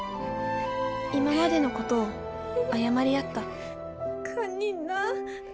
今までのことを謝り合った堪忍な。